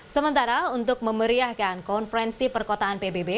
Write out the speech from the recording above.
sementara untuk memeriahkan konferensi perkotaan pbb